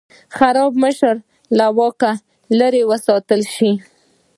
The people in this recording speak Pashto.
خراب مشران له واکه لرې وساتل شي.